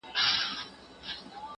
زه به سبا د کتابتون د کار مرسته کوم!!